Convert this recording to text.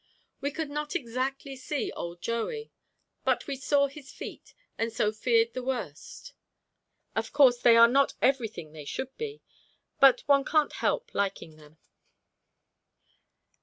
We could not exactly see old Joey, but we saw his feet, and so feared the worst. Of course they are not everything they should be, but one can't help liking them.